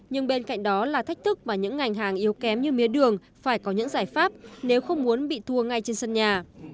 nhưng bên cạnh đó là thách thức mà những ngành hàng yếu kém như mía đường phải có những giải pháp nếu không muốn bị thua ngay trên sân nhà